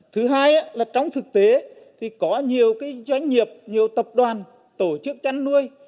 thứ hai là trong thực tế thì có nhiều doanh nghiệp nhiều tập đoàn tổ chức chăn nuôi